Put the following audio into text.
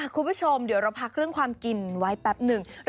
คุณผู้ชมเดี๋ยวเราพักเรื่องความกินไว้แป๊บหนึ่ง